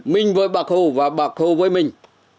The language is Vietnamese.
mình với bác hồ và bác hồ với mình